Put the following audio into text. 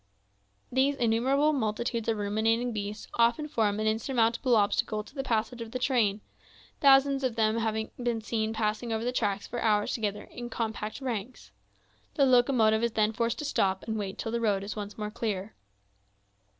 These innumerable multitudes of ruminating beasts often form an insurmountable obstacle to the passage of the trains; thousands of them have been seen passing over the track for hours together, in compact ranks. The locomotive is then forced to stop and wait till the road is once more clear.